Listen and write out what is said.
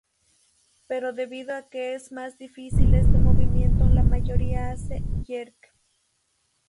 Pero debido a que es más difícil este movimiento, la mayoría hace "jerk".